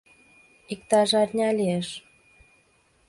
— Иктаж арня лиеш.